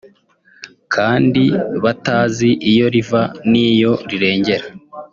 kandi batazi iyo riva n’iyo rirengera